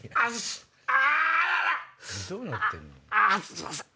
すんません。